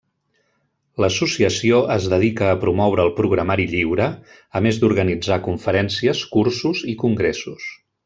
L'associació es dedica a promoure el programari lliure, a més d'organitzar conferències, cursos i congressos.